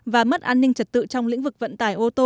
và mất an ninh trật tự trong lĩnh vực vận tải ô tô